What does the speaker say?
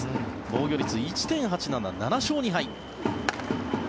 防御率１．８７、７勝２敗。